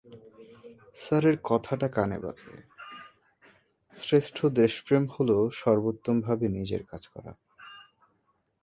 স্যারের কথাটা কানে বাজে, শ্রেষ্ঠ দেশপ্রেম হলো সর্বোত্তমভাবে নিজের কাজ করা।